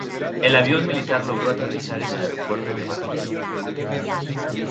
El avión militar logró aterrizar en el aeropuerto de Barranquilla.